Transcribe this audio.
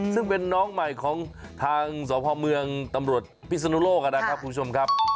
ซึ่งเป็นน้องใหม่ของทางสพเมืองตำรวจพิศนุโลกนะครับคุณผู้ชมครับ